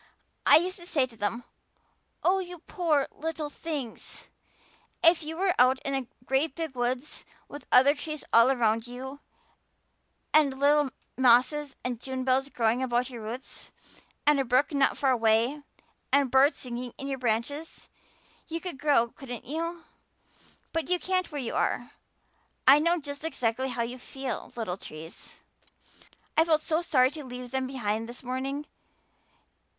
I used to say to them, 'Oh, you poor little things! If you were out in a great big woods with other trees all around you and little mosses and June bells growing over your roots and a brook not far away and birds singing in you branches, you could grow, couldn't you? But you can't where you are. I know just exactly how you feel, little trees.' I felt sorry to leave them behind this morning.